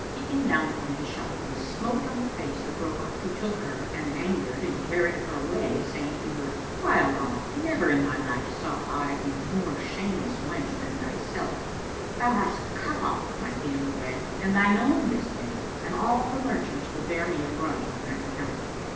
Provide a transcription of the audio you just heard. And he came down from his shop and smote on the face the broker who took her an angered and carried her away saying to her, "By Allah, never in my life saw I a more shameless wench than thyself![FN#465] Thou hast cut off my daily bread and thine own this day and all the merchants will bear me a grudge on thine account."